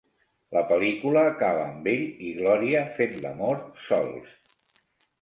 La pel·lícula acaba amb ell i Glòria fent l'amor sols.